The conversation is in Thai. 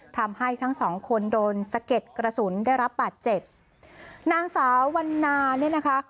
ทำให้ทั้งสองคนโดนสะเก็ดกระสุนได้รับบาดเจ็บนางสาววันนาเนี่ยนะคะ